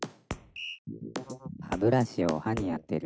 「歯ブラシを歯にあてる」